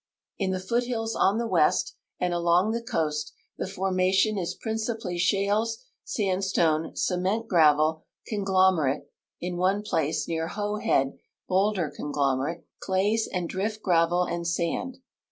In the foothills on tlie west and along the coast the formation is ])rincipally shales, sandstone, cement gravel, conglomerate (in one place near IIoli Head, boulder conglomerate), clays and drift gravel and sand.